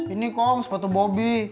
ini kong sepatu boby